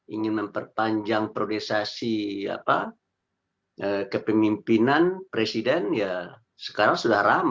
ingin memperpanjang progresasi kepemimpinan presiden sekarang sudah ramai